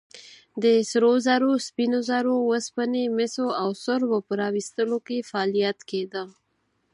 د سرو زرو، سپینو زرو، اوسپنې، مسو او سربو په راویستلو کې فعالیت کېده.